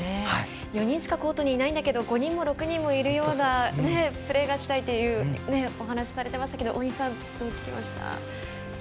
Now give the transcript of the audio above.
４人しかコートにいないんだけれども５人も６人もいるようなぷれーがしたいというお話をされていましたけど大西さん、どう聞きました？